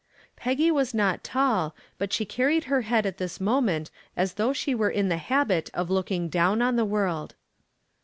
Peggy was not tall, but she carried her head at this moment as though she were in the habit of looking down on the world.